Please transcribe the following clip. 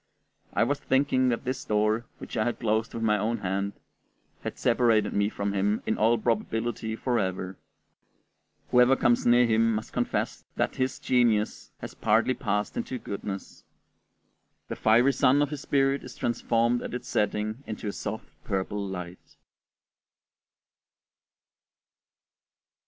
I was thinking that this door, which I had closed with my own hand, had separated me from him in all probability forever. Whoever comes near him must confess that his genius has partly passed into goodness; the fiery sun of his spirit is transformed at its setting into a soft purple light.